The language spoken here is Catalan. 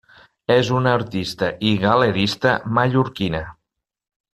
És una artista i galerista mallorquina.